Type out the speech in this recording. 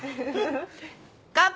乾杯！